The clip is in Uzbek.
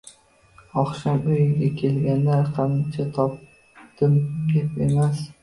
Oqshom uyga kelganda «qan-cha topdim», deb emas